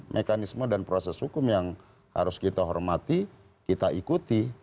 mekanisme dan proses hukum yang harus kita hormati kita ikuti